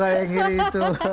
kamu yang ngiri itu